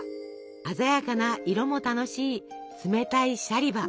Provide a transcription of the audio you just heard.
鮮やかな色も楽しい冷たいシャリバ。